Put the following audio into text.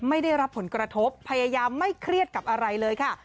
ไม่ได้รับผลกระทบพยายามไม่เครียดกับอะไรเลยค่ะ